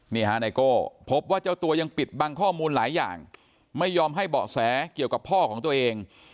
นี่ฮะไนโก้พบว่าเจ้าตัวยังปิดบังข้อมูลหลายอย่างไม่ยอมให้เบาะแสเกี่ยวกับพ่อของตัวเอง